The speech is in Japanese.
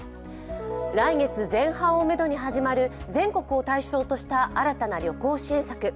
来月前半をめどに始まる全国を対象とした新たな旅行支援策。